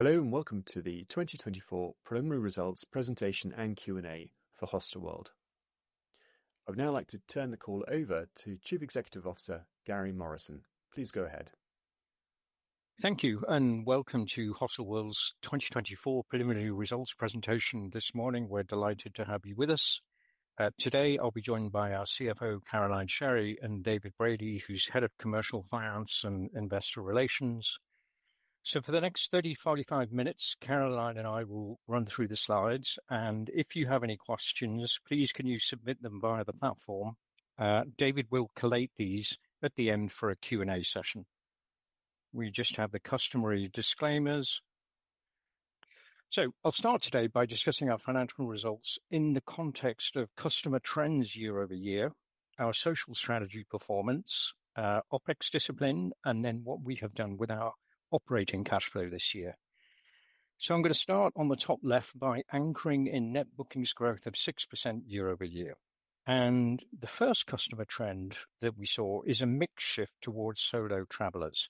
Hello and welcome to the 2024 preliminary results presentation and Q&A for Hostelworld. I'd now like to turn the call over to Chief Executive Officer, Gary Morrison. Please go ahead. Thank you and welcome to Hostelworld's 2024 preliminary results presentation this morning. We're delighted to have you with us. Today I'll be joined by our CFO, Caroline Sherry, and David Brady, who's Head of Commercial Finance and Investor Relations. For the next 30minutes-45 minutes, Caroline and I will run through the slides, and if you have any questions, please can you submit them via the platform. David will collate these at the end for a Q&A session. We just have the customary disclaimers. I'll start today by discussing our financial results in the context of customer trends year over year, our social strategy performance, OPEX discipline, and then what we have done with our operating cash flow this year. I'm going to start on the top left by anchoring in net bookings growth of 6% year over year. The first customer trend that we saw is a mix shift towards solo travelers.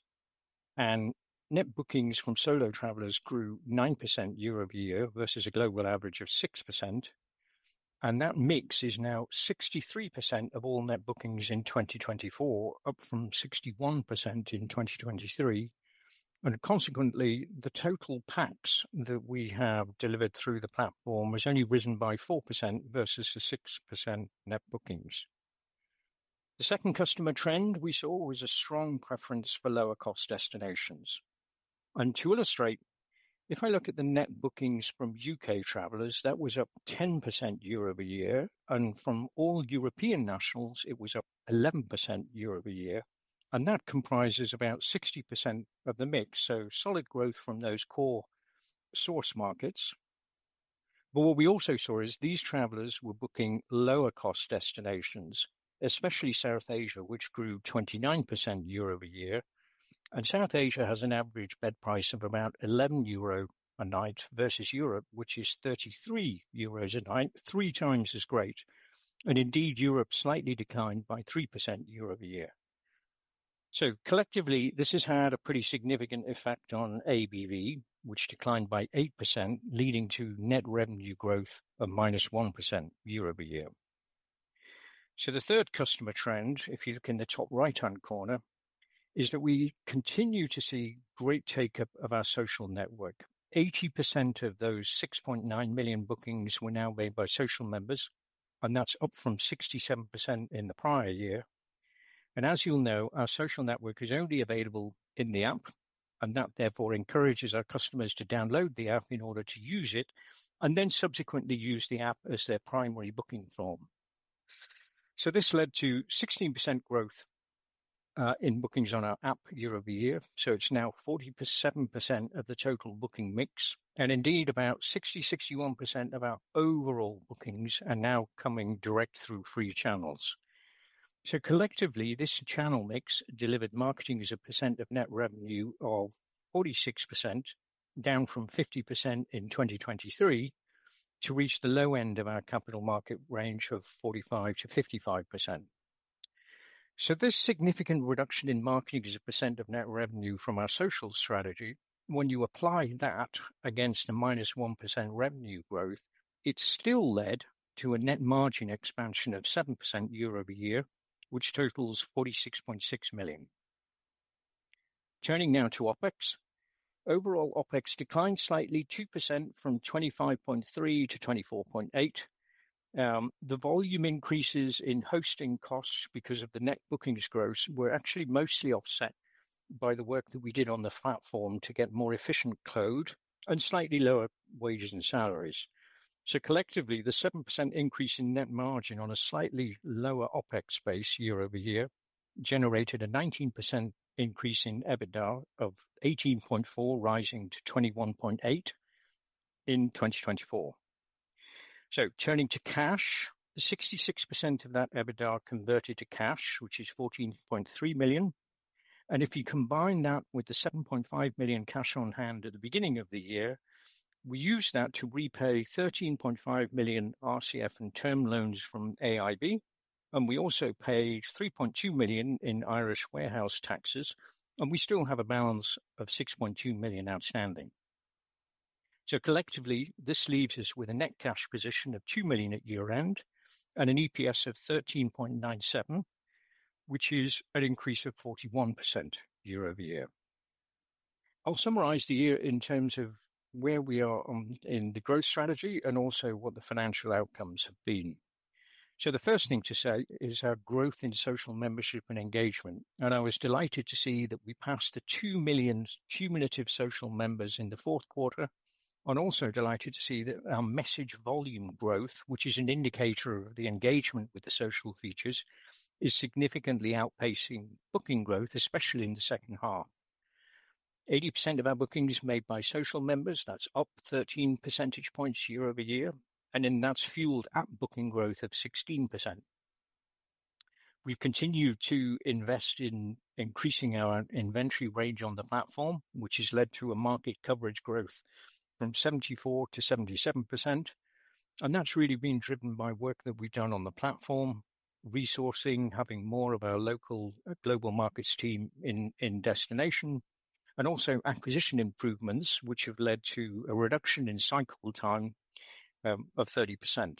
Net bookings from solo travelers grew 9% year over year versus a global average of 6%. That mix is now 63% of all net bookings in 2024, up from 61% in 2023. Consequently, the total packs that we have delivered through the platform has only risen by 4% versus the 6% net bookings. The second customer trend we saw was a strong preference for lower cost destinations. To illustrate, if I look at the net bookings from U.K. travelers, that was up 10% year over year, and from all European nationals, it was up 11% year over year. That comprises about 60% of the mix, so solid growth from those core source markets. What we also saw is these travelers were booking lower cost destinations, especially South Asia, which grew 29% year-over-year. South Asia has an average bed price of about 11 euro a night versus Europe, which is 33 euros a night, three times as great. Europe slightly declined by 3% year over year. Collectively, this has had a pretty significant effect on ABV, which declined by 8%, leading to net revenue growth of -1% year over year. The third customer trend, if you look in the top right-hand corner, is that we continue to see great take-up of our social network. 80% of those 6.9 million bookings were now made by social members, and that's up from 67% in the prior year. As you'll know, our social network is only available in the app, and that therefore encourages our customers to download the app in order to use it and then subsequently use the app as their primary booking form. This led to 16% growth in bookings on our app year-over-year. It is now 47% of the total booking mix, and indeed about 60%-61% of our overall bookings are now coming direct through free channels. Collectively, this channel mix delivered marketing as a percent of net revenue of 46%, down from 50% in 2023 to reach the low end of our capital market range of 45%-55%. This significant reduction in marketing as a percent of net revenue from our social strategy, when you apply that against a -1% revenue growth, still led to a net margin expansion of 7% year-over-year, which totals 46.6 million. Turning now to OPEX, overall OPEX declined slightly, 2% from 25.3 million to 24.8 million. The volume increases in hosting costs because of the net bookings growth were actually mostly offset by the work that we did on the platform to get more efficient code and slightly lower wages and salaries. Collectively, the 7% increase in net margin on a slightly lower OPEX base year over year generated a 19% increase in EBITDA of 18.4 million, rising to 21.8 million in 2024. Turning to cash, 66% of that EBITDA converted to cash, which is 14.3 million. If you combine that with the 7.5 million cash on hand at the beginning of the year, we use that to repay 13.5 million RCF and term loans from AIB. We also paid 3.2 million in Irish warehouse taxes, and we still have a balance of 6.2 million outstanding. Collectively, this leaves us with a net cash position of 2 million at year-end and an EPS of 13.97, which is an increase of 41% year-over-year. I'll summarize the year in terms of where we are in the growth strategy and also what the financial outcomes have been. The first thing to say is our growth in social membership and engagement. I was delighted to see that we passed the 2 million cumulative social members in the fourth quarter, and also delighted to see that our message volume growth, which is an indicator of the engagement with the social features, is significantly outpacing booking growth, especially in the second half. 80% of our bookings made by social members, that's up 13 percentage points year over year, and that's fueled app booking growth of 16%. We've continued to invest in increasing our inventory range on the platform, which has led to a market coverage growth from 74%-77%. That's really been driven by work that we've done on the platform, resourcing, having more of our local global markets team in destination, and also acquisition improvements, which have led to a reduction in cycle time of 30%.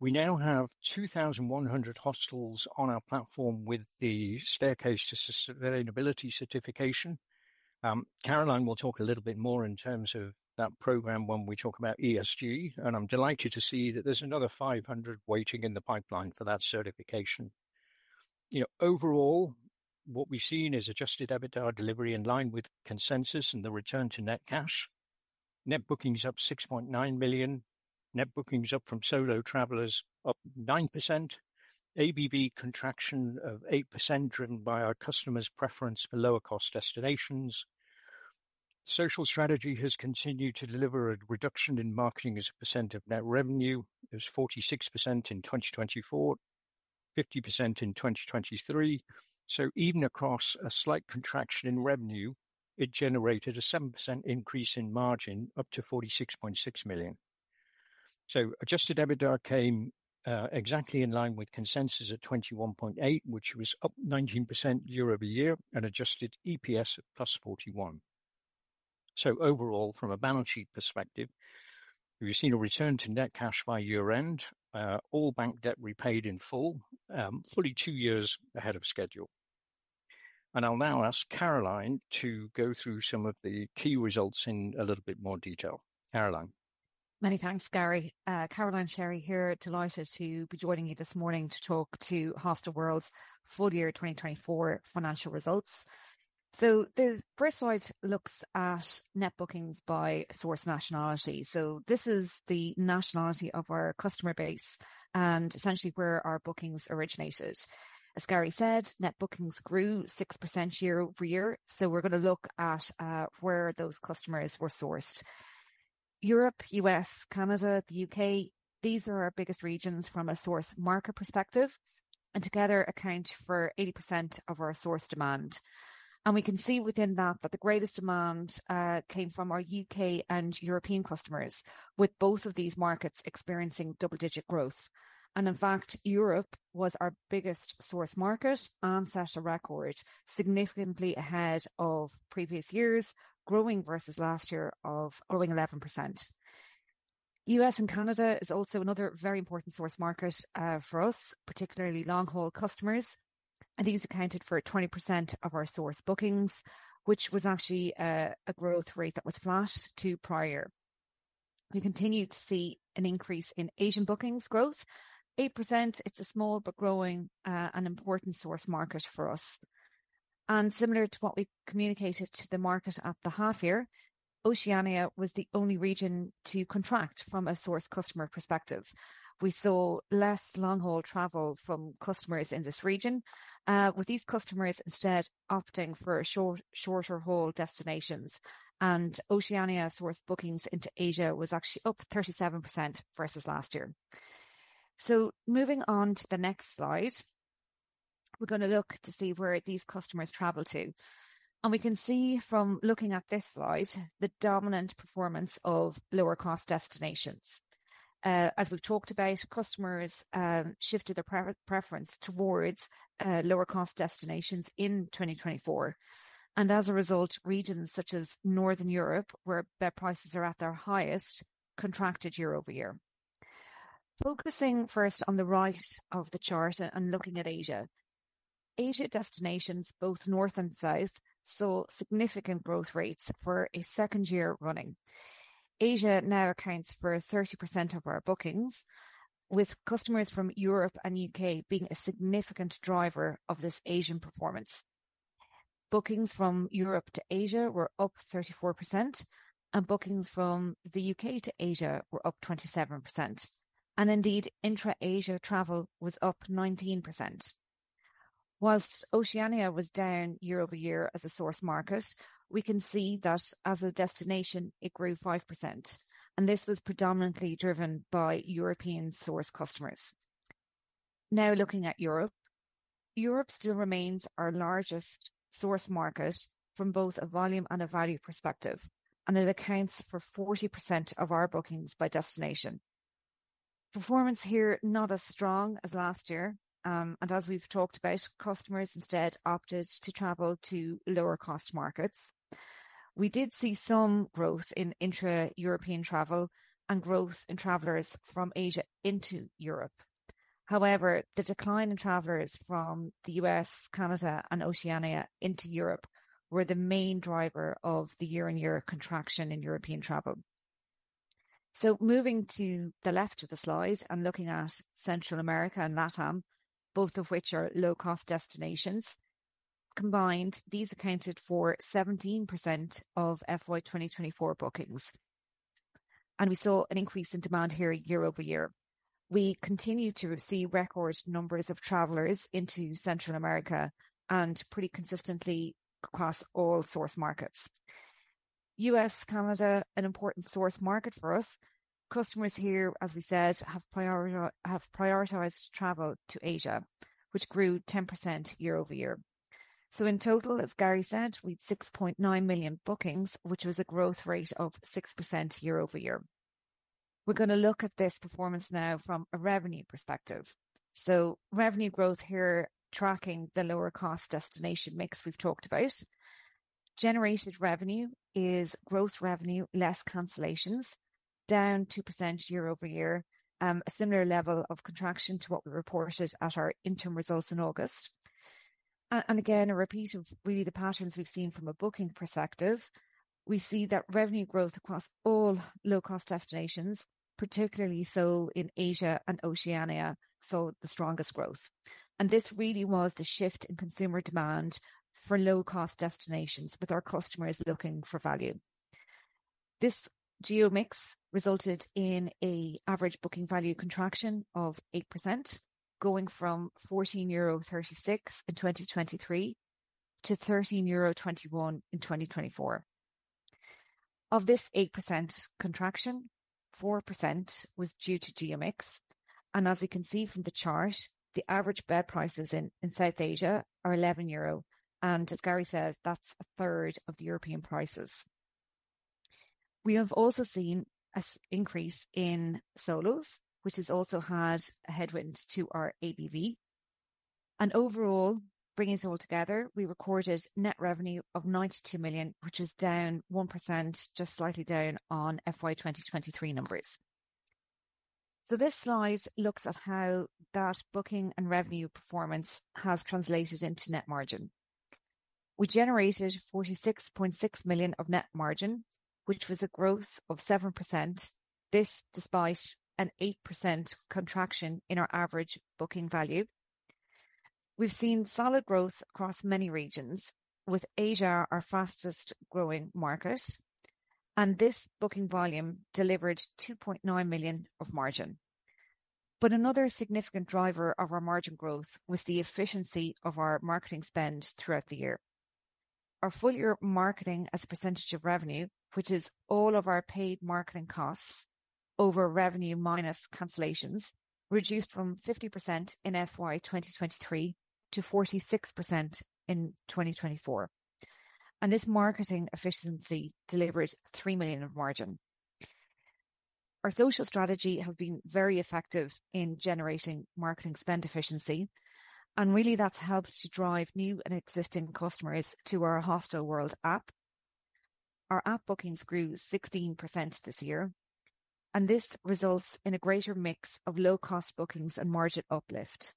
We now have 2,100 hostels on our platform with the Staircase to Sustainability certification. Caroline will talk a little bit more in terms of that program when we talk about ESG, and I'm delighted to see that there's another 500 waiting in the pipeline for that certification. Overall, what we've seen is adjusted EBITDA delivery in line with consensus and the return to net cash. Net bookings up 6.9 million. Net bookings up from solo travelers up 9%. ABV contraction of 8% driven by our customers' preference for lower cost destinations. Social strategy has continued to deliver a reduction in marketing as a percent of net revenue. It was 46% in 2024, 50% in 2023. Even across a slight contraction in revenue, it generated a 7% increase in margin up to 46.6 million. Adjusted EBITDA came exactly in line with consensus at 21.8 million, which was up 19% year over year, and adjusted EPS of +41%. Overall, from a balance sheet perspective, we've seen a return to net cash by year-end, all bank debt repaid in full, fully two years ahead of schedule. I'll now ask Caroline to go through some of the key results in a little bit more detail. Caroline. Many thanks, Gary. Caroline Sherry here, delighted to be joining you this morning to talk to Hostelworld's full year 2024 financial results. The first slide looks at net bookings by source nationality. This is the nationality of our customer base and essentially where our bookings originated. As Gary said, net bookings grew 6% year over year. We are going to look at where those customers were sourced. Europe, U.S., Canada, the U.K., these are our biggest regions from a source market perspective and together account for 80% of our source demand. We can see within that that the greatest demand came from our U.K. and European customers, with both of these markets experiencing double-digit growth. In fact, Europe was our biggest source market and set a record significantly ahead of previous years, growing versus last year, growing 11%. U.S. and Canada is also another very important source market for us, particularly long-haul customers. These accounted for 20% of our source bookings, which was actually a growth rate that was flat to prior. We continue to see an increase in Asian bookings growth. 8% is a small but growing and important source market for us. Similar to what we communicated to the market at the half year, Oceania was the only region to contract from a source customer perspective. We saw less long-haul travel from customers in this region, with these customers instead opting for shorter haul destinations. Oceania source bookings into Asia was actually up 37% versus last year. Moving on to the next slide, we're going to look to see where these customers travel to. We can see from looking at this slide, the dominant performance of lower cost destinations. As we have talked about, customers shifted their preference towards lower cost destinations in 2024. As a result, regions such as Northern Europe, where their prices are at their highest, contracted year over year. Focusing first on the right of the chart and looking at Asia, Asia destinations, both north and south, saw significant growth rates for a second year running. Asia now accounts for 30% of our bookings, with customers from Europe and the U.K. being a significant driver of this Asian performance. Bookings from Europe to Asia were up 34%, and bookings from the U.K. to Asia were up 27%. Indeed, intra-Asia travel was up 19%. Whilst Oceania was down year over year as a source market, we can see that as a destination, it grew 5%. This was predominantly driven by European source customers. Now looking at Europe, Europe still remains our largest source market from both a volume and a value perspective, and it accounts for 40% of our bookings by destination. Performance here, not as strong as last year. As we've talked about, customers instead opted to travel to lower cost markets. We did see some growth in intra-European travel and growth in travelers from Asia into Europe. However, the decline in travelers from the U.S., Canada, and Oceania into Europe were the main driver of the year-on-year contraction in European travel. Moving to the left of the slide and looking at Central America and LATAM, both of which are low-cost destinations, combined, these accounted for 17% of FY 2024 bookings. We saw an increase in demand here year over year. We continue to see record numbers of travelers into Central America and pretty consistently across all source markets. U.S., Canada, an important source market for us. Customers here, as we said, have prioritized travel to Asia, which grew 10% year over year. In total, as Gary said, we had 6.9 million bookings, which was a growth rate of 6% year over year. We are going to look at this performance now from a revenue perspective. Revenue growth here, tracking the lower cost destination mix we have talked about, generated revenue is gross revenue, less cancellations, down 2% year over year, a similar level of contraction to what we reported at our interim results in August. Again, a repeat of really the patterns we have seen from a booking perspective, we see that revenue growth across all low-cost destinations, particularly so in Asia and Oceania, saw the strongest growth. This really was the shift in consumer demand for low-cost destinations with our customers looking for value. This geo mix resulted in an average booking value contraction of 8%, going from 14.36 euro in 2023 to 13.21 euro in 2024. Of this 8% contraction, 4% was due to geo mix. As we can see from the chart, the average bed prices in South Asia are 11 euro. As Gary said, that's a third of the European prices. We have also seen an increase in solos, which has also had a headwind to our ABV. Overall, bringing it all together, we recorded net revenue of 92 million, which was down 1%, just slightly down on FY 2023 numbers. This slide looks at how that booking and revenue performance has translated into net margin. We generated 46.6 million of net margin, which was a growth of 7%, this despite an 8% contraction in our average booking value. We've seen solid growth across many regions, with Asia our fastest growing market. This booking volume delivered 2.9 million of margin. Another significant driver of our margin growth was the efficiency of our marketing spend throughout the year. Our full year marketing as a percentage of revenue, which is all of our paid marketing costs over revenue minus cancellations, reduced from 50% in 2023 to 46% in 2024. This marketing efficiency delivered 3 million of margin. Our social strategy has been very effective in generating marketing spend efficiency. Really, that's helped to drive new and existing customers to our Hostelworld App. Our app bookings grew 16% this year. This results in a greater mix of low-cost bookings and margin uplift.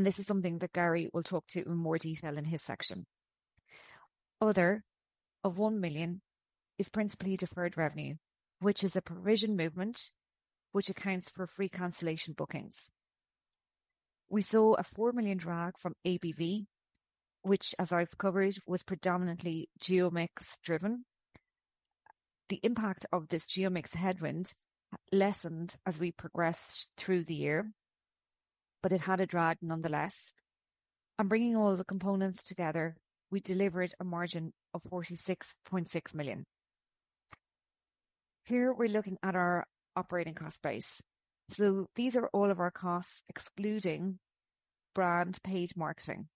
This is something that Gary will talk to in more detail in his section. Other of 1 million is principally deferred revenue, which is a provision movement, which accounts for free cancellation bookings. We saw a 4 million drag from ABV, which, as I've covered, was predominantly geo mix driven. The impact of this geo mix headwind lessened as we progressed through the year, but it had a drag nonetheless. Bringing all the components together, we delivered a margin of 46.6 million. Here we're looking at our operating cost base. These are all of our costs excluding brand paid marketing.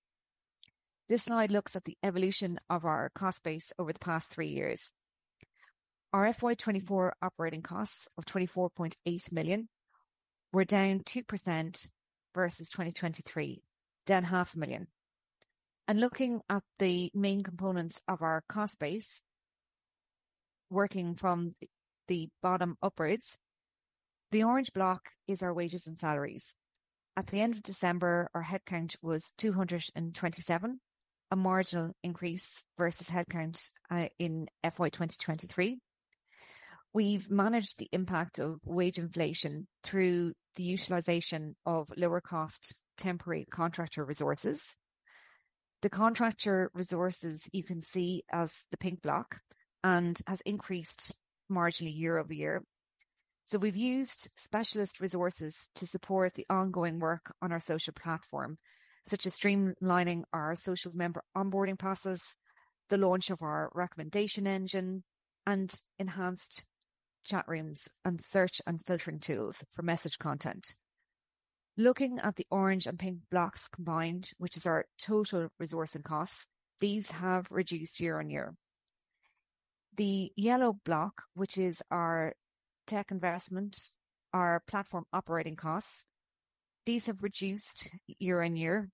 This slide looks at the evolution of our cost base over the past three years. Our 2024 operating costs of 24.8 million were down 2% versus 2023, down 500,000. Looking at the main components of our cost base, working from the bottom upwards, the orange block is our wages and salaries. At the end of December, our headcount was 227, a marginal increase versus headcount in FY 2023. We've managed the impact of wage inflation through the utilization of lower cost temporary contractor resources. The contractor resources you can see as the pink block and have increased marginally year over year. We've used specialist resources to support the ongoing work on our social platform, such as streamlining our social member onboarding process, the launch of our recommendation engine, and enhanced chat rooms and search and filtering tools for message content. Looking at the orange and pink blocks combined, which is our total resource and costs, these have reduced year on year. The yellow block, which is our tech investment, our platform operating costs, these have reduced year on year.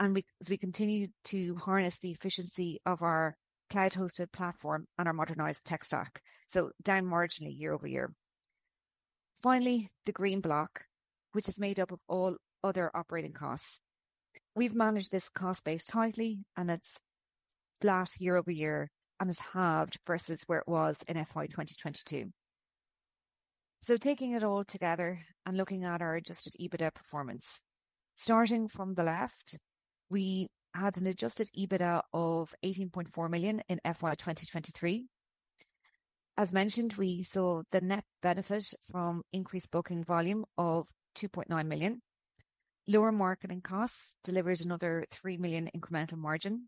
We continue to harness the efficiency of our cloud-hosted platform and our modernized tech stack, so down marginally year over year. Finally, the green block, which is made up of all other operating costs. We have managed this cost base tightly, and it is flat year over year and has halved versus where it was in FY 2022. Taking it all together and looking at our adjusted EBITDA performance, starting from the left, we had an adjusted EBITDA of 18.4 million in FY 2023. As mentioned, we saw the net benefit from increased booking volume of 2.9 million. Lower marketing costs delivered another 3 million incremental margin.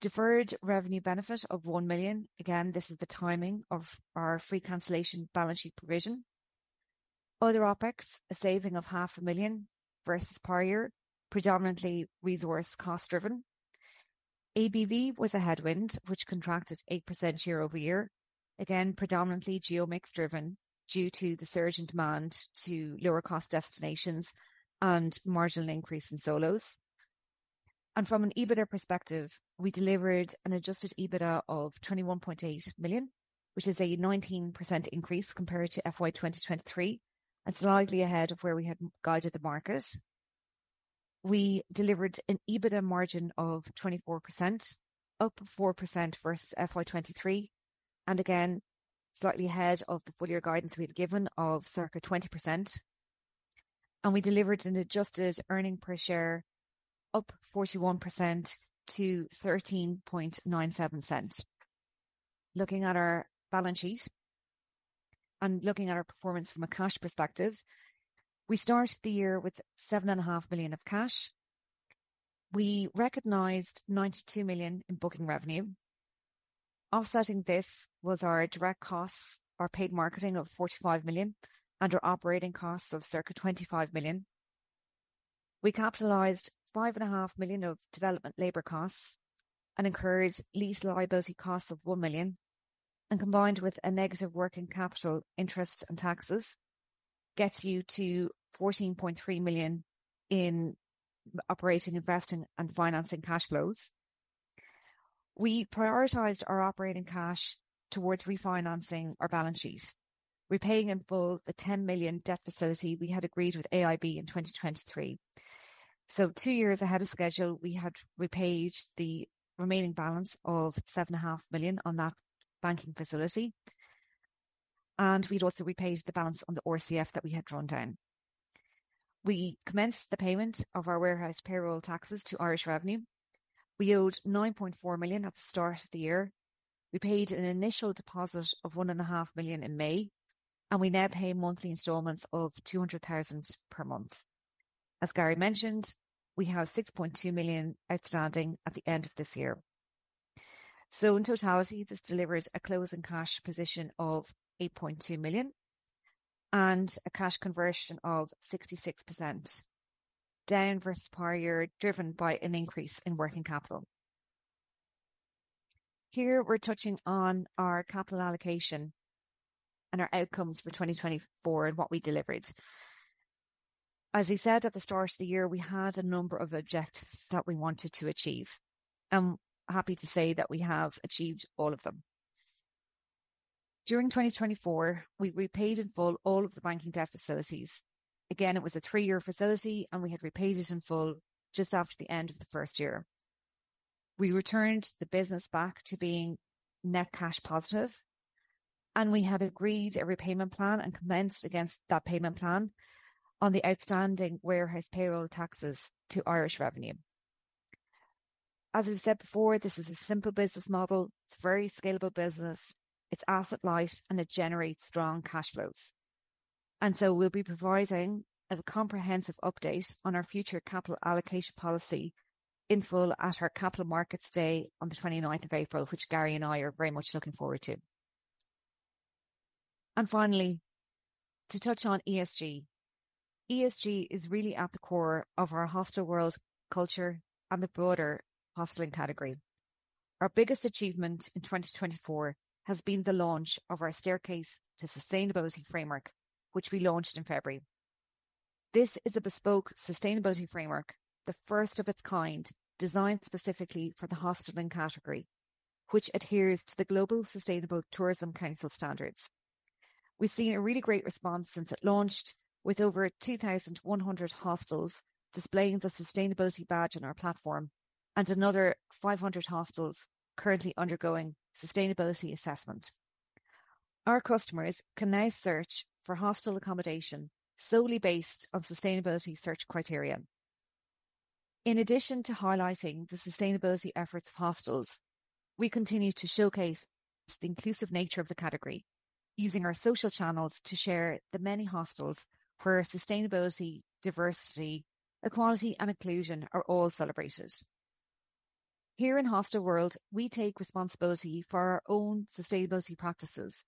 Deferred revenue benefit of 1 million. Again, this is the timing of our free cancellation balance sheet provision. Other OPEX, a saving of 500,000 versus prior, predominantly resource cost driven. ABV was a headwind, which contracted 8% year over year. Again, predominantly geo mix driven due to the surge in demand to lower cost destinations and marginal increase in solos. From an EBITDA perspective, we delivered an adjusted EBITDA of 21.8 million, which is a 19% increase compared to FY 2023. It is slightly ahead of where we had guided the market. We delivered an EBITDA margin of 24%, up 4% versus FY 2023. Slightly ahead of the full year guidance we had given of circa 20%. We delivered an adjusted earnings per share up 41% to 13.97 cents. Looking at our balance sheet and looking at our performance from a cash perspective, we started the year with 7.5 million of cash. We recognized 92 million in booking revenue. Offsetting this was our direct costs, our paid marketing of 45 million, and our operating costs of circa 25 million. We capitalized 5.5 million of development labor costs and incurred lease liability costs of 1 million. Combined with a negative working capital, interest, and taxes, this gets you to 14.3 million in operating, investing, and financing cash flows. We prioritized our operating cash towards refinancing our balance sheet, repaying in full the 10 million debt facility we had agreed with AIB in 2023. Two years ahead of schedule, we had repaid the remaining balance of 7.5 million on that banking facility. We also repaid the balance on the RCF that we had drawn down. We commenced the payment of our warehouse payroll taxes to Irish Revenue. We owed 9.4 million at the start of the year. We paid an initial deposit of 1.5 million in May, and we now pay monthly installments of 200,000 per month. As Gary mentioned, we have 6.2 million outstanding at the end of this year. In totality, this delivered a closing cash position of 8.2 million and a cash conversion of 66%, down versus prior year driven by an increase in working capital. Here we are touching on our capital allocation and our outcomes for 2024 and what we delivered. As we said at the start of the year, we had a number of objectives that we wanted to achieve. I'm happy to say that we have achieved all of them. During 2024, we repaid in full all of the banking debt facilities. It was a three-year facility, and we had repaid it in full just after the end of the first year. We returned the business back to being net cash positive, and we had agreed a repayment plan and commenced against that payment plan on the outstanding warehouse payroll taxes to Irish Revenue. As we've said before, this is a simple business model. It's a very scalable business. It's asset light, and it generates strong cash flows. We will be providing a comprehensive update on our future capital allocation policy in full at our capital markets day on the 29th of April, which Gary and I are very much looking forward to. Finally, to touch on ESG, ESG is really at the core of our Hostelworld culture and the broader hosteling category. Our biggest achievement in 2024 has been the launch of our Staircase to Sustainability framework, which we launched in February. This is a bespoke sustainability framework, the first of its kind, designed specifically for the hosteling category, which adheres to the Global Sustainable Tourism Council standards. We've seen a really great response since it launched, with over 2,100 hostels displaying the sustainability badge on our platform and another 500 hostels currently undergoing sustainability assessment. Our customers can now search for hostel accommodation solely based on sustainability search criteria. In addition to highlighting the sustainability efforts of hostels, we continue to showcase the inclusive nature of the category, using our social channels to share the many hostels where sustainability, diversity, equality, and inclusion are all celebrated. Here in Hostelworld, we take responsibility for our own sustainability practices.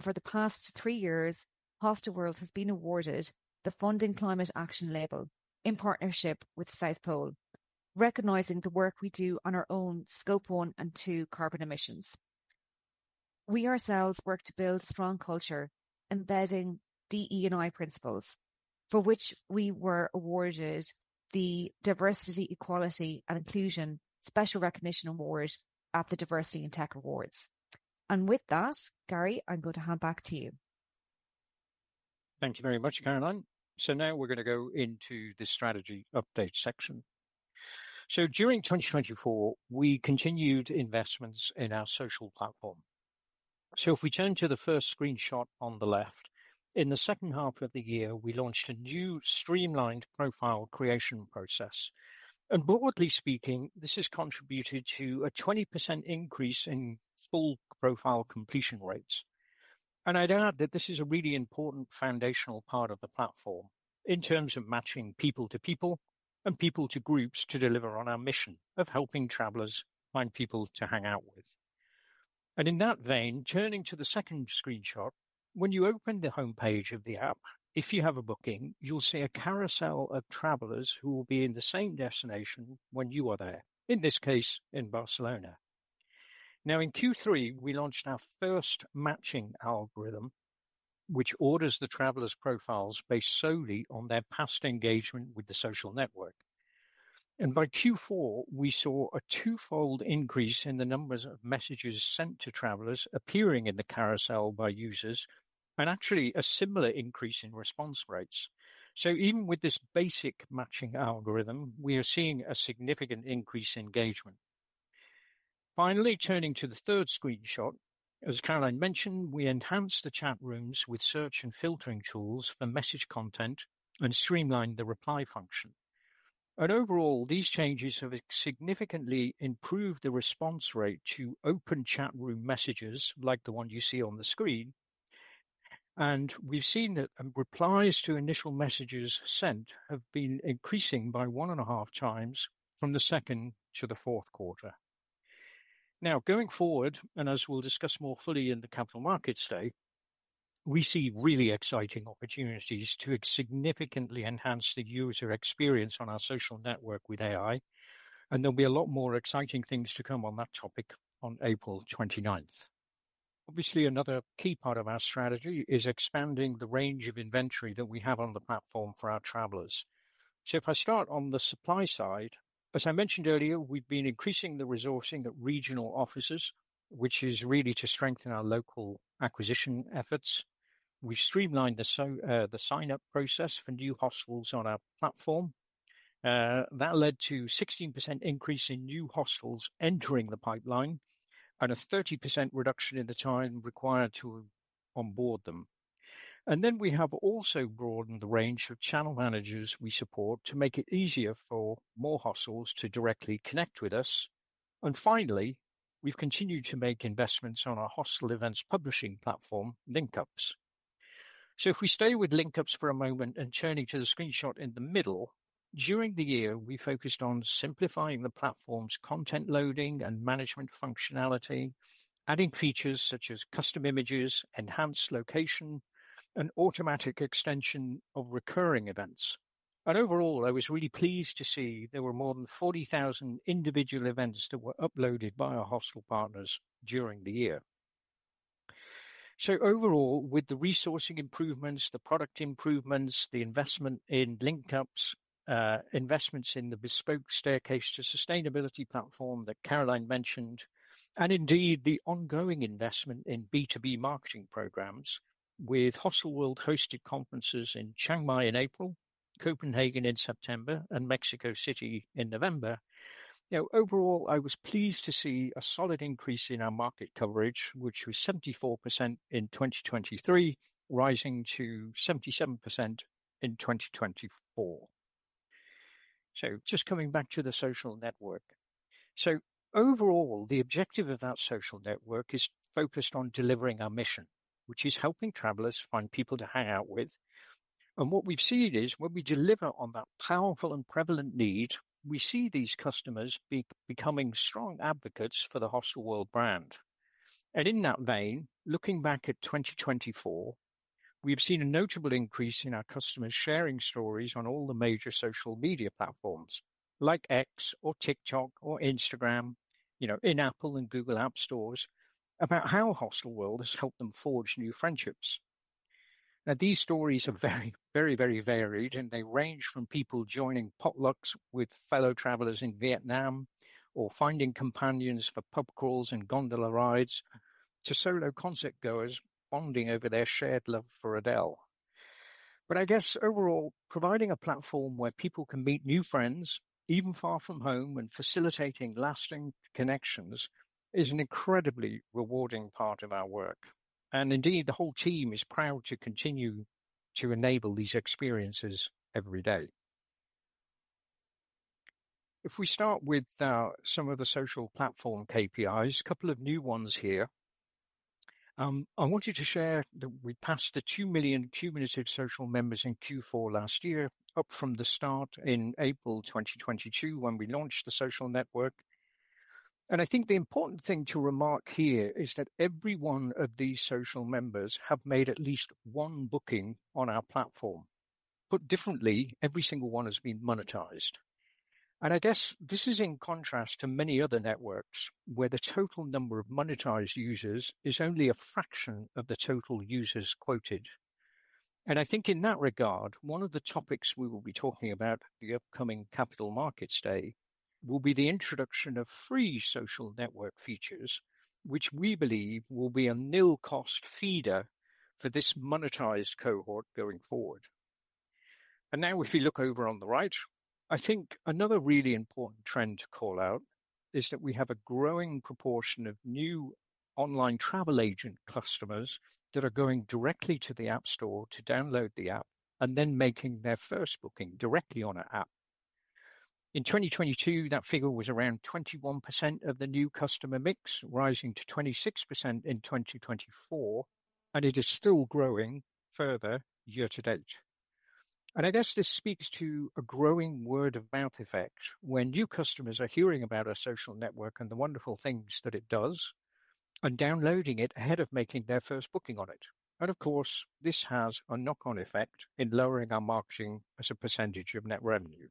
For the past three years, Hostelworld has been awarded the Funding Climate Action label in partnership with South Pole, recognizing the work we do on our own Scope 1 and 2 carbon emissions. We ourselves work to build a strong culture, embedding DEI principles, for which we were awarded the Diversity, Equality, and Inclusion Special Recognition Award at the Diversity and Tech Awards. With that, Gary, I'm going to hand back to you. Thank you very much, Caroline. Now we're going to go into the strategy update section. During 2024, we continued investments in our social platform. If we turn to the first screenshot on the left, in the second half of the year, we launched a new streamlined profile creation process. Broadly speaking, this has contributed to a 20% increase in full profile completion rates. I'd add that this is a really important foundational part of the platform in terms of matching people to people and people to groups to deliver on our mission of helping travelers find people to hang out with. In that vein, turning to the second screenshot, when you open the homepage of the app, if you have a booking, you'll see a carousel of travelers who will be in the same destination when you are there, in this case, in Barcelona. In Q3, we launched our first matching algorithm, which orders the travelers' profiles based solely on their past engagement with the social network. By Q4, we saw a twofold increase in the numbers of messages sent to travelers appearing in the carousel by users, and actually a similar increase in response rates. Even with this basic matching algorithm, we are seeing a significant increase in engagement. Finally, turning to the third screenshot, as Caroline mentioned, we enhanced the chat rooms with search and filtering tools for message content and streamlined the reply function. Overall, these changes have significantly improved the response rate to open chat room messages like the one you see on the screen. We've seen that replies to initial messages sent have been increasing by one and a half times from the second to the fourth quarter. Going forward, and as we'll discuss more fully in the capital markets day, we see really exciting opportunities to significantly enhance the user experience on our social network with AI. There will be a lot more exciting things to come on that topic on April 29th. Obviously, another key part of our strategy is expanding the range of inventory that we have on the platform for our travelers. If I start on the supply side, as I mentioned earlier, we've been increasing the resourcing at regional offices, which is really to strengthen our local acquisition efforts. have streamlined the sign-up process for new hostels on our platform. That led to a 16% increase in new hostels entering the pipeline and a 30% reduction in the time required to onboard them. We have also broadened the range of channel managers we support to make it easier for more hostels to directly connect with us. Finally, we have continued to make investments on our hostel events publishing platform, LinkUps. If we stay with LinkUps for a moment and turn to the screenshot in the middle, during the year, we focused on simplifying the platform's content loading and management functionality, adding features such as custom images, enhanced location, and automatic extension of recurring events. Overall, I was really pleased to see there were more than 40,000 individual events that were uploaded by our hostel partners during the year. Overall, with the resourcing improvements, the product improvements, the investment in LinkUps, investments in the bespoke Staircase to Sustainability platform that Caroline mentioned, and indeed the ongoing investment in B2B marketing programs with Hostelworld hosted conferences in Chiang Mai in April, Copenhagen in September, and Mexico City in November, you know, overall, I was pleased to see a solid increase in our market coverage, which was 74% in 2023, rising to 77% in 2024. Just coming back to the social network. Overall, the objective of that social network is focused on delivering our mission, which is helping travelers find people to hang out with. What we've seen is when we deliver on that powerful and prevalent need, we see these customers becoming strong advocates for the Hostelworld brand. In that vein, looking back at 2024, we've seen a notable increase in our customers sharing stories on all the major social media platforms like X or TikTok or Instagram, you know, in Apple and Google App Stores about how Hostelworld has helped them forge new friendships. These stories are very, very, very varied, and they range from people joining potlucks with fellow travelers in Vietnam or finding companions for pub crawls and gondola rides to solo concertgoers bonding over their shared love for Adele. I guess overall, providing a platform where people can meet new friends even far from home and facilitating lasting connections is an incredibly rewarding part of our work. Indeed, the whole team is proud to continue to enable these experiences every day. If we start with some of the social platform KPIs, a couple of new ones here. I wanted to share that we passed the 2 million cumulative social members in Q4 last year, up from the start in April 2022 when we launched the social network. I think the important thing to remark here is that every one of these social members has made at least one booking on our platform. Put differently, every single one has been monetized. I guess this is in contrast to many other networks where the total number of monetized users is only a fraction of the total users quoted. I think in that regard, one of the topics we will be talking about at the upcoming capital markets day will be the introduction of free social network features, which we believe will be a nil cost feeder for this monetized cohort going forward. If we look over on the right, I think another really important trend to call out is that we have a growing proportion of new online travel agent customers that are going directly to the app store to download the app and then making their first booking directly on our app. In 2022, that figure was around 21% of the new customer mix, rising to 26% in 2024, and it is still growing further year to date. I guess this speaks to a growing word-of-mouth effect when new customers are hearing about our social network and the wonderful things that it does and downloading it ahead of making their first booking on it. Of course, this has a knock-on effect in lowering our marketing as a percentage of net revenue.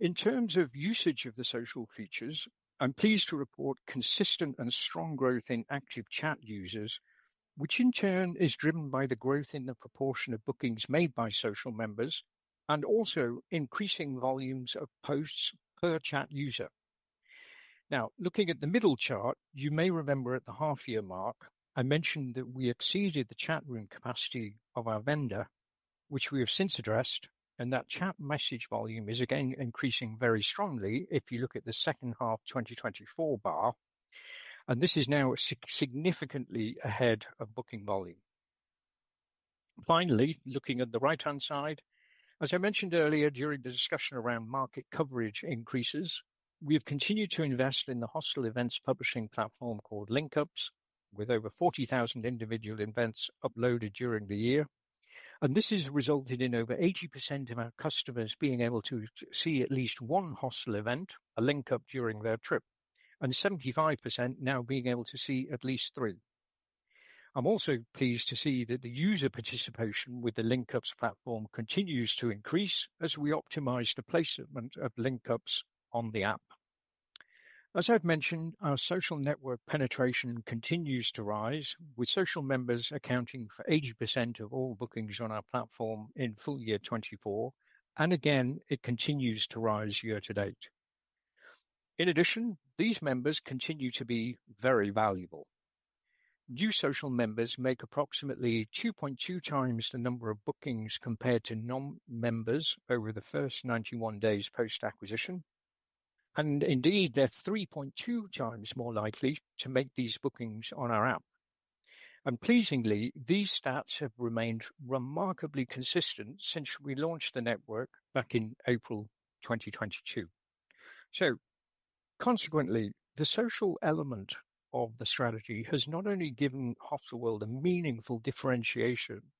In terms of usage of the social features, I'm pleased to report consistent and strong growth in active chat users, which in turn is driven by the growth in the proportion of bookings made by social members and also increasing volumes of posts per chat user. Now, looking at the middle chart, you may remember at the half-year mark, I mentioned that we exceeded the chat room capacity of our vendor, which we have since addressed, and that chat message volume is again increasing very strongly if you look at the second half 2024 bar. This is now significantly ahead of booking volume. Finally, looking at the right-hand side, as I mentioned earlier during the discussion around market coverage increases, we have continued to invest in the hostel events publishing platform called LinkUps, with over 40,000 individual events uploaded during the year. This has resulted in over 80% of our customers being able to see at least one hostel event, a LinkUp, during their trip, and 75% now being able to see at least three. I'm also pleased to see that the user participation with the LinkUps platform continues to increase as we optimize the placement of LinkUps on the app. As I've mentioned, our social network penetration continues to rise, with social members accounting for 80% of all bookings on our platform in full year 2024. It continues to rise year to date. In addition, these members continue to be very valuable. New social members make approximately 2.2 times the number of bookings compared to non-members over the first 91 days post-acquisition. Indeed, they're 3.2 times more likely to make these bookings on our app. Pleasingly, these stats have remained remarkably consistent since we launched the network back in April 2022. Consequently, the social element of the strategy has not only given Hostelworld a meaningful differentiation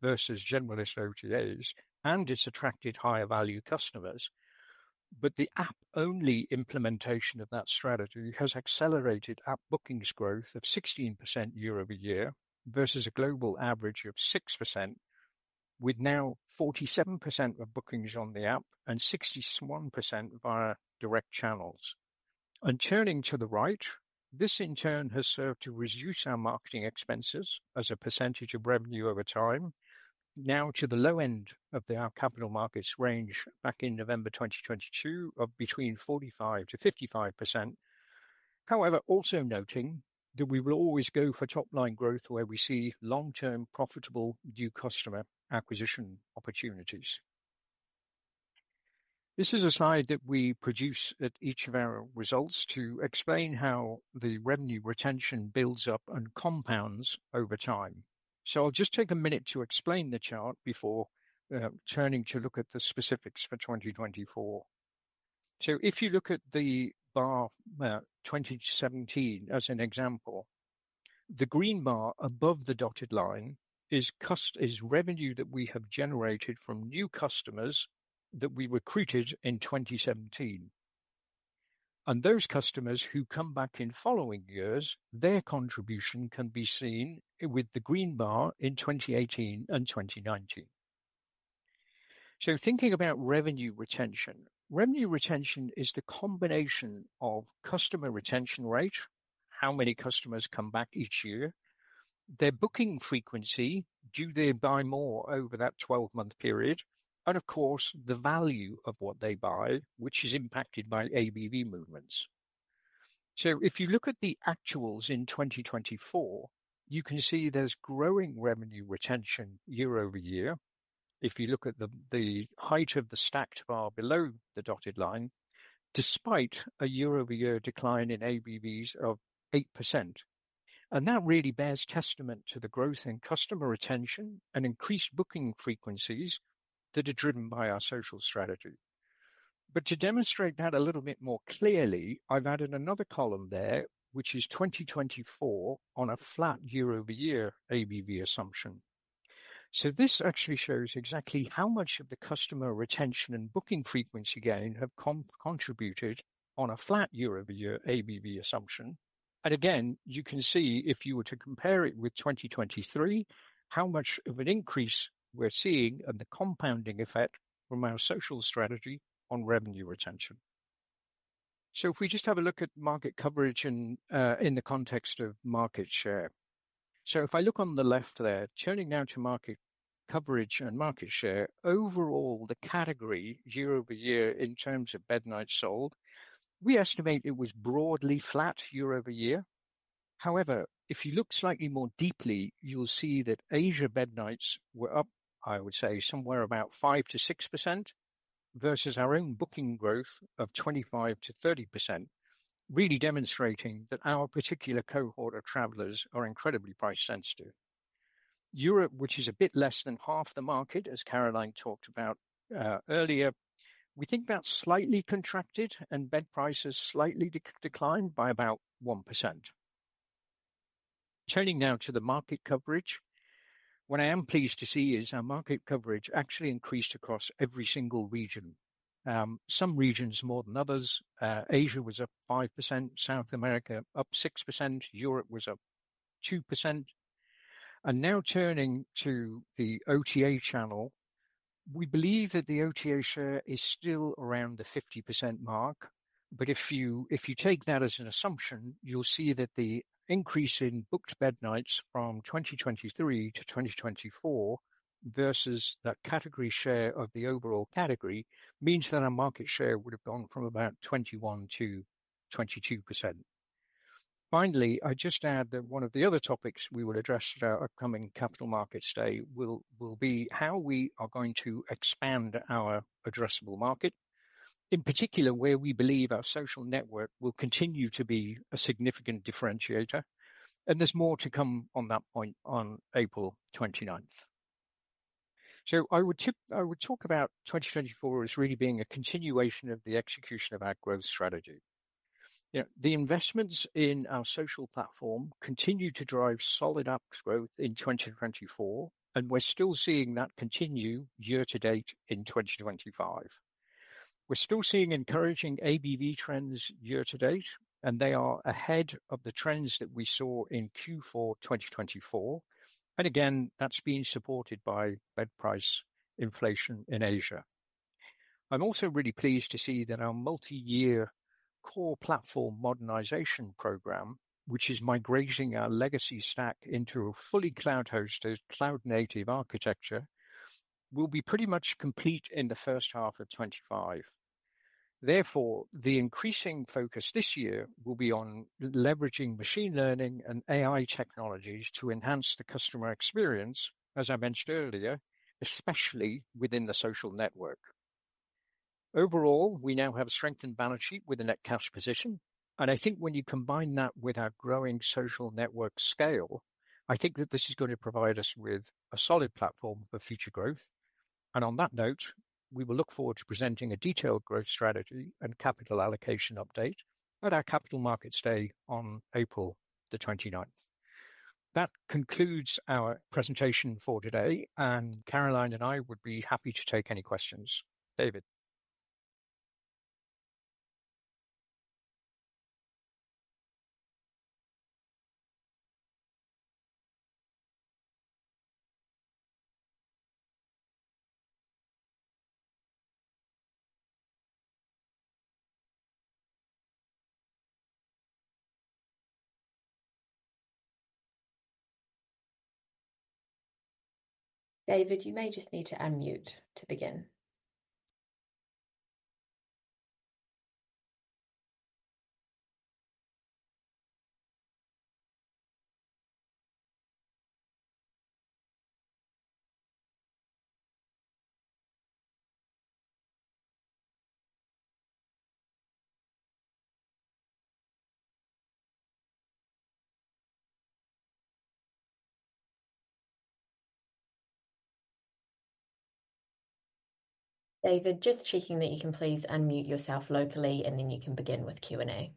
versus generalist OTAs and has attracted higher value customers, but the app-only implementation of that strategy has accelerated app bookings growth of 16% year over year versus a global average of 6%, with now 47% of bookings on the app and 61% via direct channels. Turning to the right, this in turn has served to reduce our marketing expenses as a percentage of revenue over time, now to the low end of our capital markets range back in November 2022 of between 45%-55%. However, also noting that we will always go for top-line growth where we see long-term profitable new customer acquisition opportunities. This is a slide that we produce at each of our results to explain how the revenue retention builds up and compounds over time. I'll just take a minute to explain the chart before turning to look at the specifics for 2024. If you look at the bar 2017 as an example, the green bar above the dotted line is revenue that we have generated from new customers that we recruited in 2017. Those customers who come back in following years, their contribution can be seen with the green bar in 2018 and 2019. Thinking about revenue retention, revenue retention is the combination of customer retention rate, how many customers come back each year, their booking frequency, do they buy more over that 12-month period, and of course, the value of what they buy, which is impacted by ABV movements. If you look at the actuals in 2024, you can see there is growing revenue retention year over year if you look at the height of the stacked bar below the dotted line, despite a year-over-year decline in ABVs of 8%. That really bears testament to the growth in customer retention and increased booking frequencies that are driven by our social strategy. To demonstrate that a little bit more clearly, I have added another column there, which is 2024 on a flat year-over-year ABV assumption. This actually shows exactly how much of the customer retention and booking frequency gain have contributed on a flat year-over-year ABV assumption. Again, you can see if you were to compare it with 2023, how much of an increase we are seeing and the compounding effect from our social strategy on revenue retention. If we just have a look at market coverage in the context of market share. If I look on the left there, turning now to market coverage and market share, overall, the category year-over-year in terms of bed nights sold, we estimate it was broadly flat year-over-year. However, if you look slightly more deeply, you'll see that Asia bed nights were up, I would say, somewhere about 5%-6% versus our own booking growth of 25%-30%, really demonstrating that our particular cohort of travelers are incredibly price sensitive. Europe, which is a bit less than half the market, as Caroline talked about earlier, we think about slightly contracted and bed prices slightly declined by about 1%. Turning now to the market coverage, what I am pleased to see is our market coverage actually increased across every single region. Some regions more than others. Asia was up 5%, South America up 6%, Europe was up 2%. Now turning to the OTA channel, we believe that the OTA share is still around the 50% mark. If you take that as an assumption, you'll see that the increase in booked bed nights from 2023-2024 versus that category share of the overall category means that our market share would have gone from about 21%-22%. Finally, I just add that one of the other topics we will address at our upcoming capital markets day will be how we are going to expand our addressable market, in particular where we believe our social network will continue to be a significant differentiator. There is more to come on that point on April 29th. I would talk about 2024 as really being a continuation of the execution of our growth strategy. The investments in our social platform continue to drive solid app growth in 2024, and we're still seeing that continue year to date in 2025. We're still seeing encouraging ABV trends year to date, and they are ahead of the trends that we saw in Q4 2024. That is being supported by bed price inflation in Asia. I'm also really pleased to see that our multi-year core platform modernization program, which is migrating our legacy stack into a fully cloud-hosted, cloud-native architecture, will be pretty much complete in the first half of 2025. Therefore, the increasing focus this year will be on leveraging machine learning and AI technologies to enhance the customer experience, as I mentioned earlier, especially within the social network. Overall, we now have a strengthened balance sheet with a net cash position. I think when you combine that with our growing social network scale, I think that this is going to provide us with a solid platform for future growth. On that note, we will look forward to presenting a detailed growth strategy and capital allocation update at our capital markets day on April the 29th. That concludes our presentation for today, and Caroline and I would be happy to take any questions. David. David, you may just need to unmute to begin. David, just checking that you can please unmute yourself locally, and then you can begin with Q&A.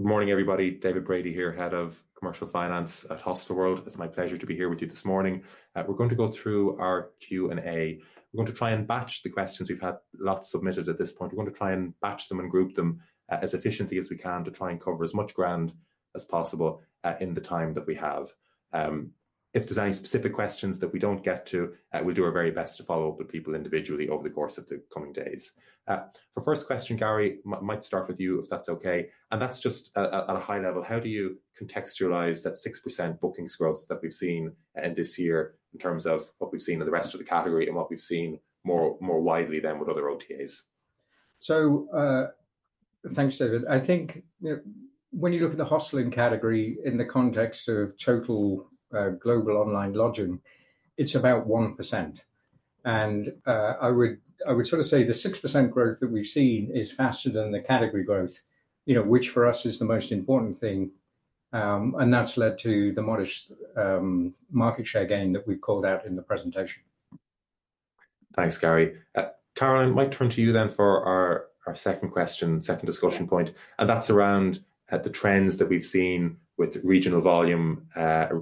Good morning, everybody. David Brady here, head of commercial finance at Hostelworld. It's my pleasure to be here with you this morning. We're going to go through our Q&A. We're going to try and batch the questions. We've had lots submitted at this point. We're going to try and batch them and group them as efficiently as we can to try and cover as much ground as possible in the time that we have. If there's any specific questions that we don't get to, we'll do our very best to follow up with people individually over the course of the coming days. For first question, Gary, I might start with you if that's okay. That's just at a high level, how do you contextualize that 6% bookings growth that we've seen this year in terms of what we've seen in the rest of the category and what we've seen more widely than with other OTAs? Thanks, David. I think when you look at the hosteling category in the context of total global online lodging, it's about 1%. I would sort of say the 6% growth that we've seen is faster than the category growth, which for us is the most important thing. That has led to the modest market share gain that we've called out in the presentation. Thanks, Gary. Caroline, I might turn to you then for our second question, second discussion point. That is around the trends that we've seen with regional volume,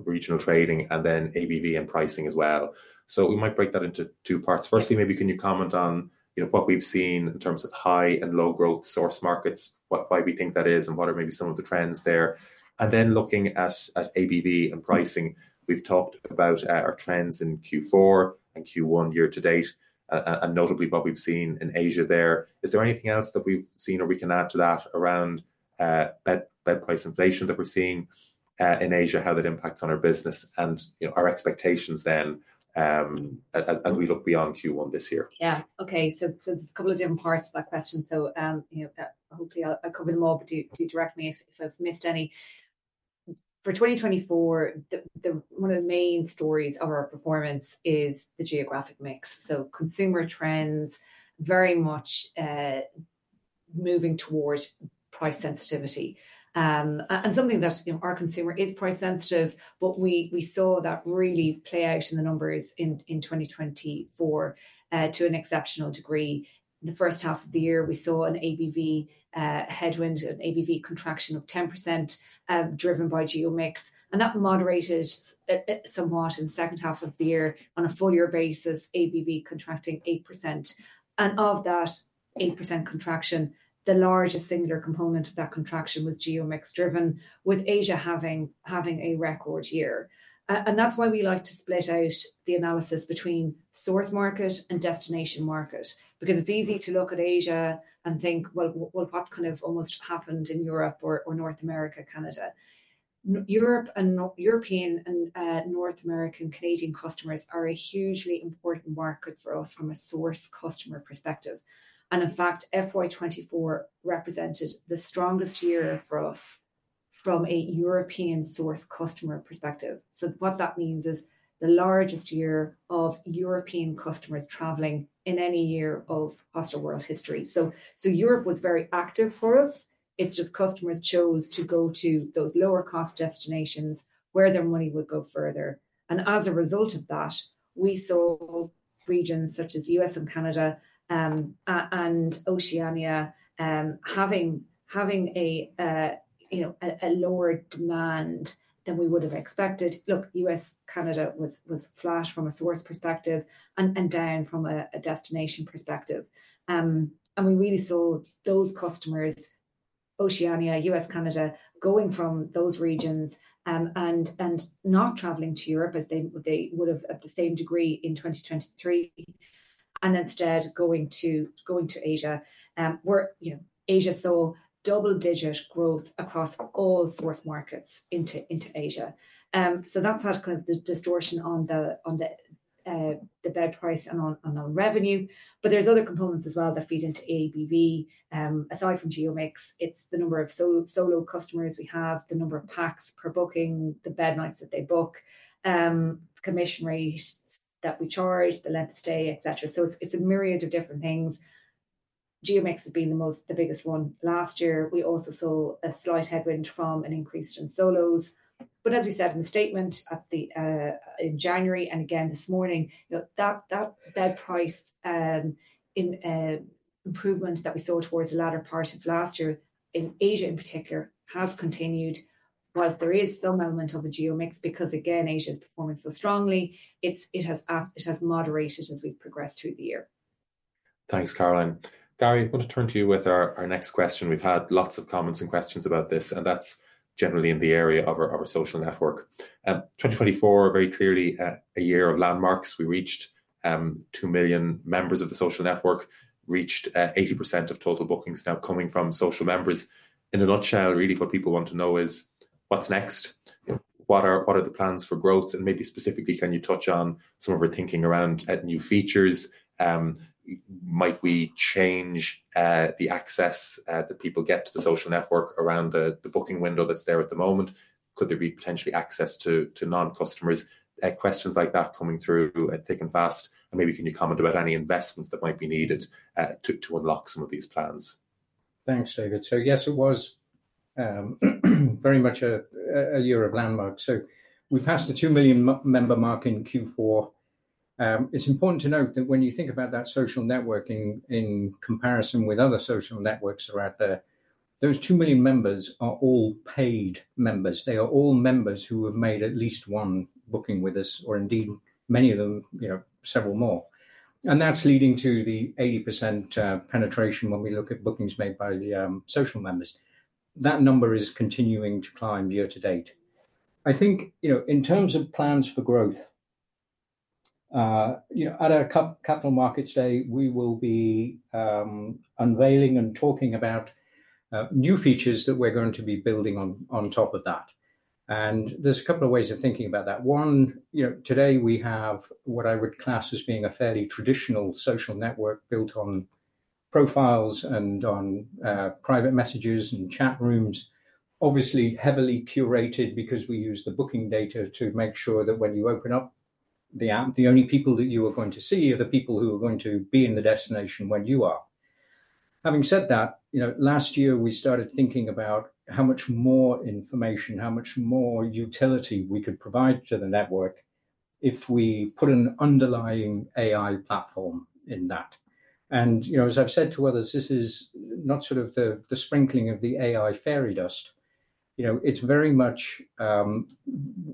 regional trading, and then ABV and pricing as well. We might break that into two parts. Firstly, maybe can you comment on what we've seen in terms of high and low growth source markets, why we think that is, and what are maybe some of the trends there? Looking at ABV and pricing, we've talked about our trends in Q4 and Q1 year to date, and notably what we've seen in Asia there. Is there anything else that we've seen or we can add to that around bed price inflation that we're seeing in Asia, how that impacts on our business and our expectations then as we look beyond Q1 this year? Yeah. Okay. There's a couple of different parts of that question. Hopefully I'll cover them all, but do direct me if I've missed any. For 2024, one of the main stories of our performance is the geographic mix. Consumer trends very much moving towards price sensitivity. Something that our consumer is price sensitive, but we saw that really play out in the numbers in 2024 to an exceptional degree. The first half of the year, we saw an ABV headwind, an ABV contraction of 10% driven by geo mix. That moderated somewhat in the second half of the year. On a full year basis, ABV contracting 8%. Of that 8% contraction, the largest singular component of that contraction was geo mix driven, with Asia having a record year. That is why we like to split out the analysis between source market and destination market, because it is easy to look at Asia and think, what has kind of almost happened in Europe or North America, Canada. Europe and European and North American Canadian customers are a hugely important market for us from a source customer perspective. In fact, 2024 represented the strongest year for us from a European source customer perspective. What that means is the largest year of European customers traveling in any year of Hostelworld history. Europe was very active for us. It's just customers chose to go to those lower-cost destinations where their money would go further. As a result of that, we saw regions such as the U.S. and Canada and Oceania having a lower demand than we would have expected. Look, U.S., Canada was flat from a source perspective and down from a destination perspective. We really saw those customers, Oceania, U.S., Canada, going from those regions and not traveling to Europe as they would have at the same degree in 2023, instead going to Asia. Asia saw double-digit growth across all source markets into Asia. That has had kind of the distortion on the bed price and on revenue. There are other components as well that feed into ABV. Aside from geo mix, it's the number of solo customers we have, the number of packs per booking, the bed nights that they book, commission rates that we charge, the length of stay, etc. It is a myriad of different things. Geo mix has been the biggest one last year. We also saw a slight headwind from an increase in solos. As we said in the statement in January and again this morning, that bed price improvement that we saw towards the latter part of last year in Asia in particular has continued, while there is some element of a geo mix because, again, Asia is performing so strongly. It has moderated as we've progressed through the year. Thanks, Caroline. Gary, I'm going to turn to you with our next question. We've had lots of comments and questions about this, and that's generally in the area of our social network. 2024, very clearly a year of landmarks. We reached 2 million members of the social network, reached 80% of total bookings now coming from social members. In a nutshell, really, what people want to know is what's next? What are the plans for growth? And maybe specifically, can you touch on some of our thinking around new features? Might we change the access that people get to the social network around the booking window that's there at the moment? Could there be potentially access to non-customers? Questions like that coming through at Think and Fast. And maybe can you comment about any investments that might be needed to unlock some of these plans? Thanks, David. Yes, it was very much a year of landmarks. We passed the 2 million member mark in Q4. It's important to note that when you think about that social networking in comparison with other social networks out there, those 2 million members are all paid members. They are all members who have made at least one booking with us, or indeed, many of them, several more. That's leading to the 80% penetration when we look at bookings made by the social members. That number is continuing to climb year to date. I think in terms of plans for growth, at our capital markets day, we will be unveiling and talking about new features that we're going to be building on top of that. There's a couple of ways of thinking about that. One, today we have what I would class as being a fairly traditional social network built on profiles and on private messages and chat rooms, obviously heavily curated because we use the booking data to make sure that when you open up the app, the only people that you are going to see are the people who are going to be in the destination when you are. Having said that, last year, we started thinking about how much more information, how much more utility we could provide to the network if we put an underlying AI platform in that. As I've said to others, this is not sort of the sprinkling of the AI fairy dust. It's very much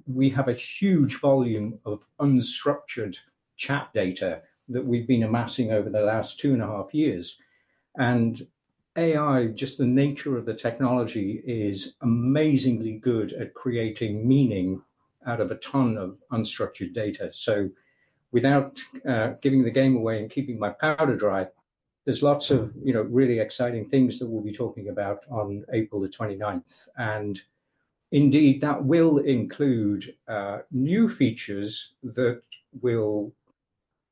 we have a huge volume of unstructured chat data that we've been amassing over the last two and a half years. AI, just the nature of the technology, is amazingly good at creating meaning out of a ton of unstructured data. Without giving the game away and keeping my powder dry, there are lots of really exciting things that we will be talking about on April the 29th. Indeed, that will include new features that will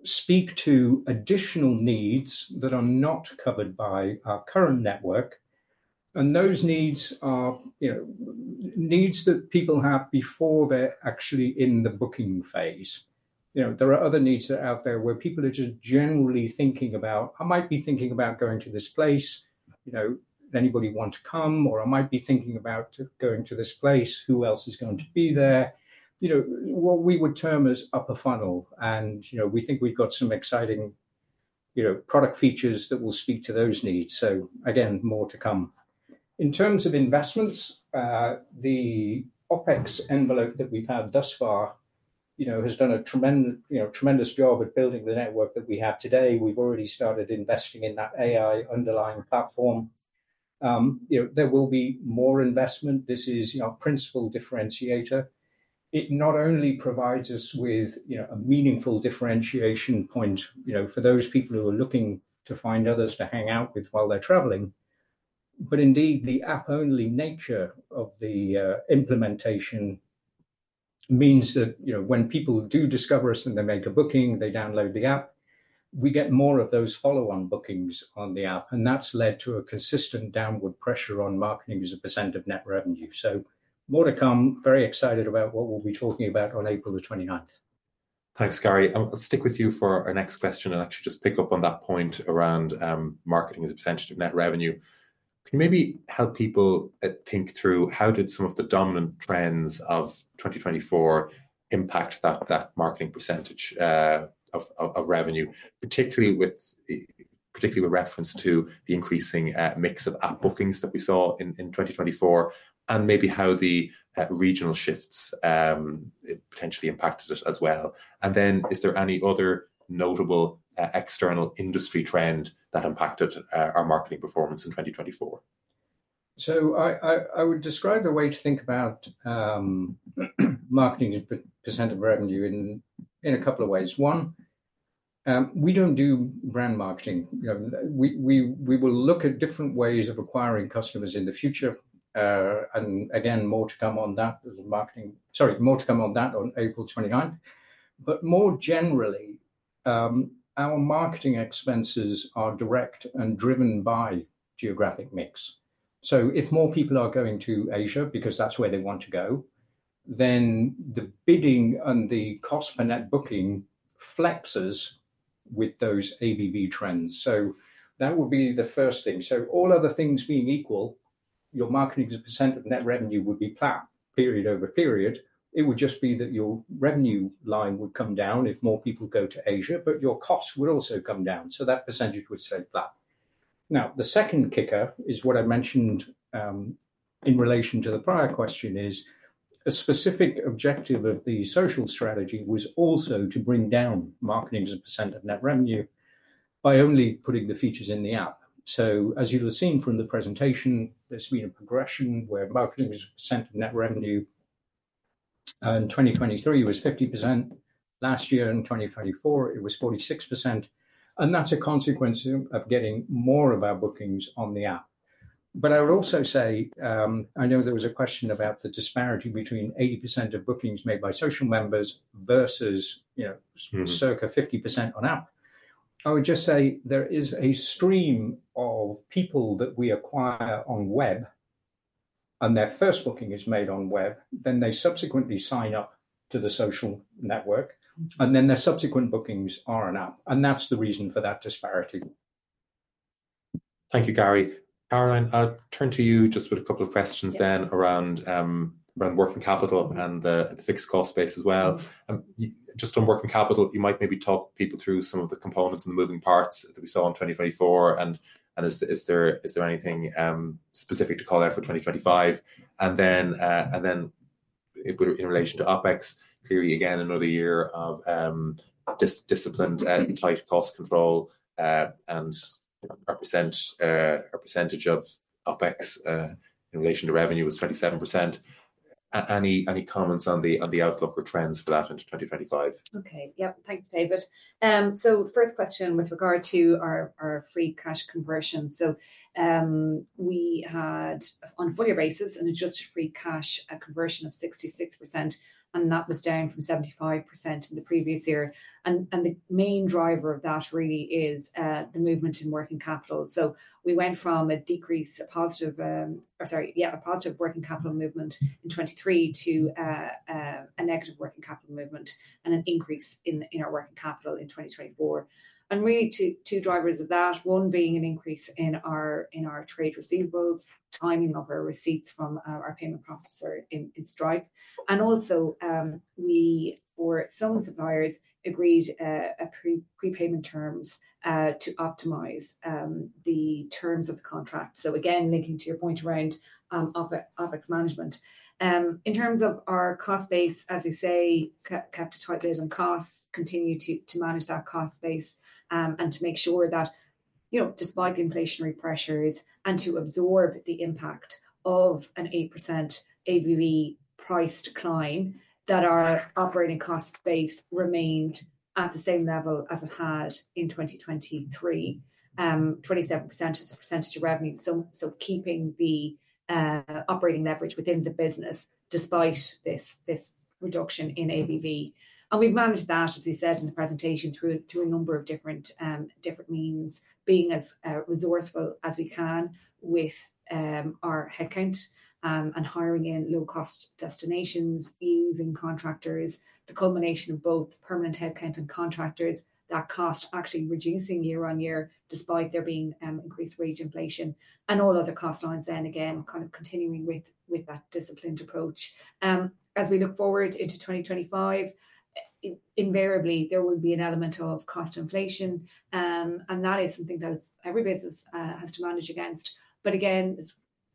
speak to additional needs that are not covered by our current network. Those needs are needs that people have before they are actually in the booking phase. There are other needs that are out there where people are just generally thinking about, I might be thinking about going to this place. Does anybody want to come? Or I might be thinking about going to this place. Who else is going to be there? What we would term as upper funnel. We think we've got some exciting product features that will speak to those needs. More to come. In terms of investments, the OPEX envelope that we've had thus far has done a tremendous job at building the network that we have today. We've already started investing in that AI underlying platform. There will be more investment. This is our principal differentiator. It not only provides us with a meaningful differentiation point for those people who are looking to find others to hang out with while they're traveling, but indeed, the app-only nature of the implementation means that when people do discover us and they make a booking, they download the app, we get more of those follow-on bookings on the app. That's led to a consistent downward pressure on marketing as a percent of net revenue. More to come. Very excited about what we'll be talking about on April the 29th. Thanks, Gary. I'll stick with you for our next question and actually just pick up on that point around marketing as a percentage of net revenue. Can you maybe help people think through how did some of the dominant trends of 2024 impact that marketing percentage of revenue, particularly with reference to the increasing mix of app bookings that we saw in 2024, and maybe how the regional shifts potentially impacted it as well? Is there any other notable external industry trend that impacted our marketing performance in 2024? I would describe a way to think about marketing as a percent of revenue in a couple of ways. One, we don't do brand marketing. We will look at different ways of acquiring customers in the future. More to come on that on April 29th. More generally, our marketing expenses are direct and driven by geographic mix. If more people are going to Asia, because that's where they want to go, then the bidding and the cost per net booking flexes with those ABV trends. That would be the first thing. All other things being equal, your marketing as a percent of net revenue would be flat period over period. It would just be that your revenue line would come down if more people go to Asia, but your costs would also come down. That percentage would stay flat. Now, the second kicker is what I mentioned in relation to the prior question is a specific objective of the social strategy was also to bring down marketing as a % of net revenue by only putting the features in the app. As you'll have seen from the presentation, there's been a progression where marketing as a % of net revenue in 2023 was 50%. Last year in 2024, it was 46%. That's a consequence of getting more of our bookings on the app. I would also say, I know there was a question about the disparity between 80% of bookings made by social members versus circa 50% on app. I would just say there is a stream of people that we acquire on web, and their first booking is made on web, then they subsequently sign up to the social network, and then their subsequent bookings are on app. That is the reason for that disparity. Thank you, Gary. Caroline, I'll turn to you just with a couple of questions then around working capital and the fixed cost space as well. Just on working capital, you might maybe talk people through some of the components and the moving parts that we saw in 2024. Is there anything specific to call out for 2025? In relation to OPEX, clearly, again, another year of disciplined and tight cost control and a percentage of OPEX in relation to revenue was 27%. Any comments on the outlook or trends for that into 2025? Okay. Yep. Thanks, David. First question with regard to our free cash conversion. We had, on a full year basis, an adjusted free cash conversion of 66%, and that was down from 75% in the previous year. The main driver of that really is the movement in working capital. We went from a positive working capital movement in 2023 to a negative working capital movement and an increase in our working capital in 2024. Really, two drivers of that, one being an increase in our trade receivables, timing of our receipts from our payment processor in Stripe. Also, we or some suppliers agreed on prepayment terms to optimize the terms of the contract. Again, linking to your point around OPEX management. In terms of our cost base, as you say, kept tight on costs, continue to manage that cost base and to make sure that despite the inflationary pressures and to absorb the impact of an 8% ABV priced climb, that our operating cost base remained at the same level as it had in 2023. 27% is a percentage of revenue. Keeping the operating leverage within the business despite this reduction in ABV. We've managed that, as you said in the presentation, through a number of different means, being as resourceful as we can with our headcount and hiring in low-cost destinations, using contractors, the culmination of both permanent headcount and contractors, that cost actually reducing year on year despite there being increased wage inflation and all other cost lines then, again, kind of continuing with that disciplined approach. As we look forward into 2025, invariably, there will be an element of cost inflation, and that is something that every business has to manage against. Again,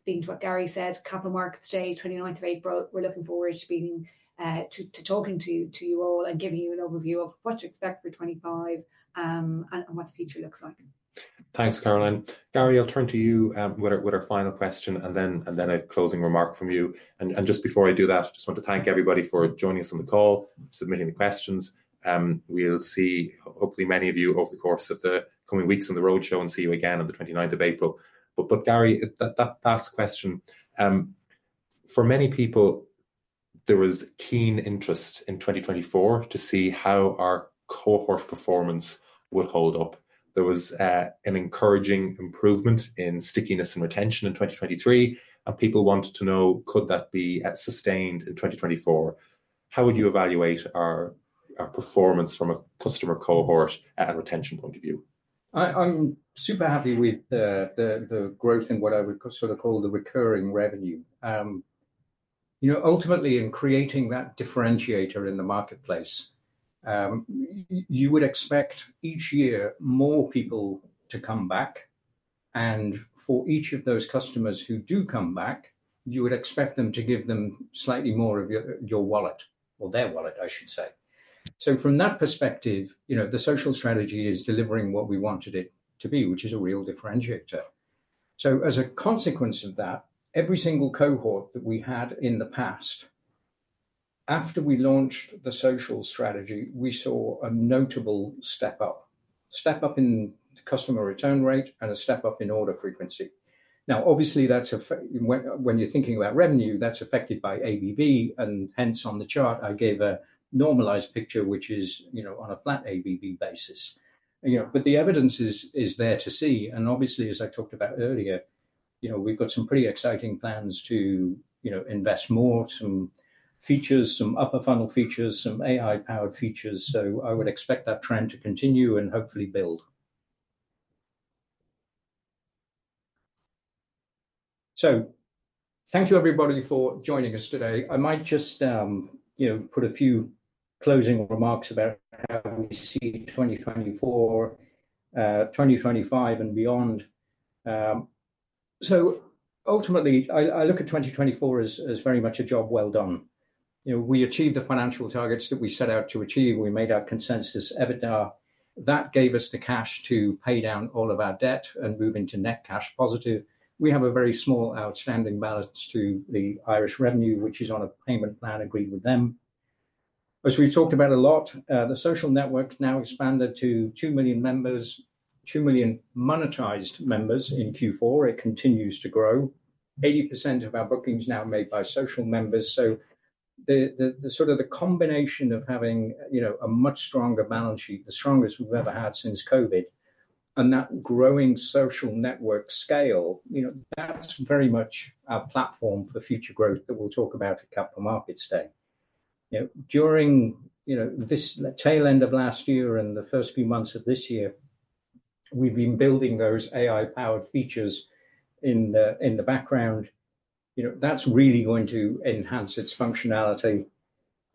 speaking to what Gary said, capital markets day, 29th of April, we're looking forward to talking to you all and giving you an overview of what to expect for 2025 and what the future looks like. Thanks, Caroline. Gary, I'll turn to you with our final question and then a closing remark from you. Just before I do that, I just want to thank everybody for joining us on the call, submitting the questions. We'll see, hopefully, many of you over the course of the coming weeks on the roadshow and see you again on the 29th of April. Gary, that last question. For many people, there was keen interest in 2024 to see how our cohort performance would hold up. There was an encouraging improvement in stickiness and retention in 2023, and people wanted to know, could that be sustained in 2024? How would you evaluate our performance from a customer cohort and retention point of view? I'm super happy with the growth in what I would sort of call the recurring revenue. Ultimately, in creating that differentiator in the marketplace, you would expect each year more people to come back. For each of those customers who do come back, you would expect them to give them slightly more of your wallet or their wallet, I should say. From that perspective, the social strategy is delivering what we wanted it to be, which is a real differentiator. As a consequence of that, every single cohort that we had in the past, after we launched the social strategy, we saw a notable step up in customer return rate and a step up in order frequency. Obviously, when you're thinking about revenue, that's affected by ABV. Hence, on the chart, I gave a normalized picture, which is on a flat ABV basis. The evidence is there to see. Obviously, as I talked about earlier, we've got some pretty exciting plans to invest more, some features, some upper funnel features, some AI-powered features. I would expect that trend to continue and hopefully build. Thank you, everybody, for joining us today. I might just put a few closing remarks about how we see 2024, 2025, and beyond. Ultimately, I look at 2024 as very much a job well done. We achieved the financial targets that we set out to achieve. We made our consensus EBITDA. That gave us the cash to pay down all of our debt and move into net cash positive. We have a very small outstanding balance to the Irish Revenue, which is on a payment plan agreed with them. As we've talked about a lot, the social network now expanded to 2 million members, 2 million monetized members in Q4. It continues to grow. 80% of our bookings now made by social members. The combination of having a much stronger balance sheet, the strongest we've ever had since COVID, and that growing social network scale, that's very much our platform for future growth that we'll talk about at capital markets day. During this tail end of last year and the first few months of this year, we've been building those AI-powered features in the background. That is really going to enhance its functionality.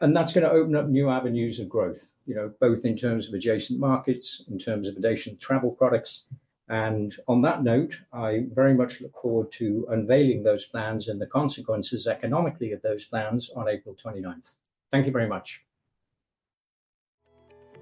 That is going to open up new avenues of growth, both in terms of adjacent markets, in terms of adjacent travel products. On that note, I very much look forward to unveiling those plans and the consequences economically of those plans on April 29th. Thank you very much.